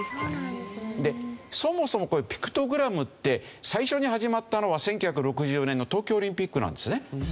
そもそもこのピクトグラムって最初に始まったのは１９６４年の東京オリンピックなんですね。